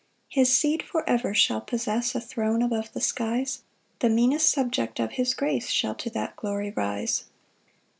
4 His seed for ever shall possess A throne above the skies; The meanest subject of his grace Shall to that glory rise.